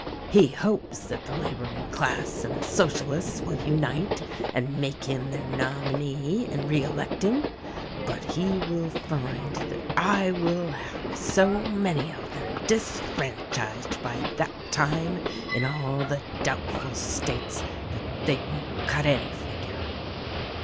He hopes that the laboring class and the Socialists will unite and make him their nominee and re elect him ; but he will find that I will hare so many of them disfranchised by that time, in all the doubtful states, that they won't cut any figure."